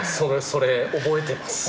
それ覚えてます。